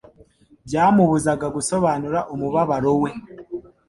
byamubuzaga gusobanura umubabaro we.